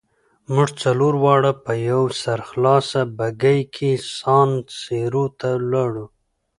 موږ څلور واړه په یوه سرخلاصه بګۍ کې سان سیرو ته ولاړو.